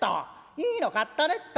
いいの買ったねっと」。